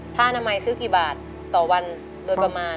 ผ้านามัยซื้อกี่บาทต่อวันโดยประมาณ